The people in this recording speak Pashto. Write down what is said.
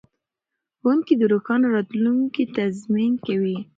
ښوونکي د روښانه راتلونکي تضمین کوي.